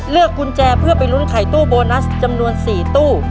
เลือกกุญแจเพื่อไปรุ๊นไขตู้โบนัสจำนวนสี่ตู้